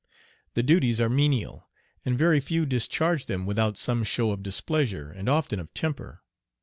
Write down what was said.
The duties are menial, and very few discharge them without some show of displeasure, and often of temper.